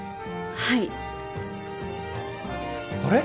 はいあれッ？